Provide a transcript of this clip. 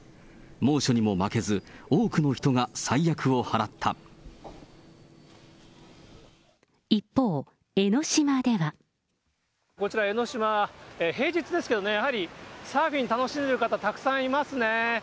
猛暑にも負けず、多くの人が災厄一方、こちら江の島、平日ですけどね、やはりサーフィン楽しんでる方、たくさんいますね。